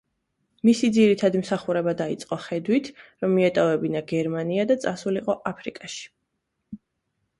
მისი ძირითადი მსახურება დაიწყო ხედვით, რომ მიეტოვებინა გერმანია და წასულიყო აფრიკაში.